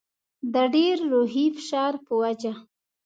د ډېر روحي فشار په وجه.